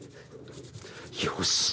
よし。